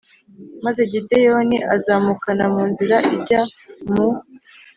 Maze Gideyoni azamukana mu nzira ijya mu